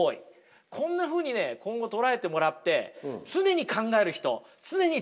こんなふうにね今後捉えてもらって常に考える人常に作り続けてる人